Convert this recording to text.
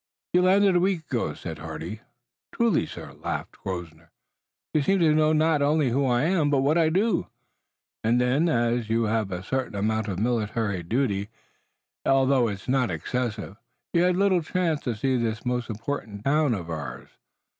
"You landed a week ago," said Hardy. "Truly, sir," laughed Grosvenor, "you seem to know not only who I am, but what I do." "And then, as you've had a certain amount of military duty, although 'tis not excessive, you've had little chance to see this most important town of ours.